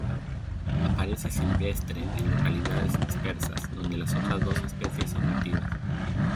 Aparece silvestre en localidades dispersas donde las otras dos especies son nativas.